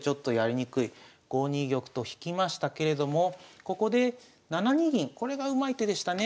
５二玉と引きましたけれどもここで７二銀これがうまい手でしたね。